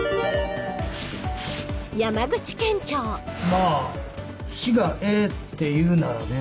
まぁ市がええって言うならね。